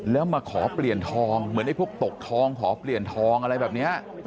แล้วมาขอเปลี่ยนทองเหมือนไอ้พวกตกทองขอเปลี่ยนทองอะไรแบบนี้